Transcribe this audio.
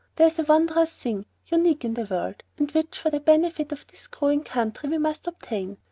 "There is a wondrous thing, unique in the world, and which, for the benefit of this growing country, we must obtain.